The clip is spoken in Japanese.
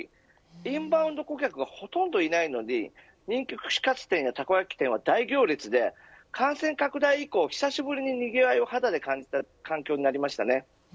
インバウンド顧客がほとんどいないのに人気串カツ店やたこ焼き店は大行列で感染拡大以降久しぶりににぎわいを肌で感じた環境になりました。